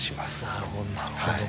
なるほどなるほど。